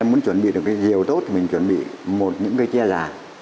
mình muốn chuẩn bị được cái rìu tốt thì mình chuẩn bị một những cây tre già